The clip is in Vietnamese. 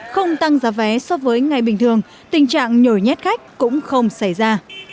không tăng giá vé so với ngày bình thường tình trạng nhồi nhét khách cũng không xảy ra